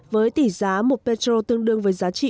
với tỷ giá một petro tương đương với giá trị